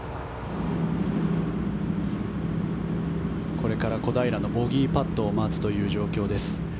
これから小平のボギーパットを待つという状況です。